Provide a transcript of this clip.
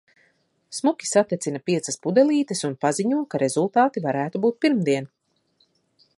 Smuki satecina piecas pudelītes un paziņo, ka rezultāti varētu būt pirmdien.